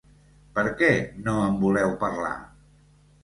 Per què no en voleu parlar?